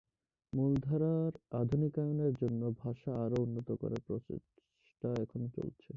মূলধারার আধুনিকায়নের জন্য ভাষা আরও উন্নত করার প্রচেষ্টা এখনো চলছে।